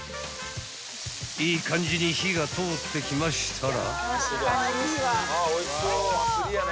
［いい感じに火が通ってきましたら］